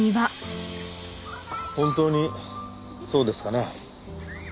本当にそうですかね？